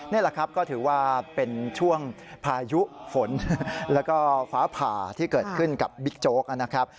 นี่แหละครับก็ถือว่าเป็นช่วงพายุฝนแล้วก็ฟ้าผ่าที่เกิดขึ้นกับบิ๊กโจ๊กนะครับ